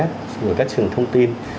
rồi các trường thông tin